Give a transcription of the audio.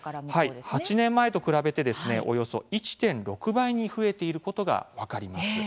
８年前と比べて、およそ１．６倍に増えていることが分かります。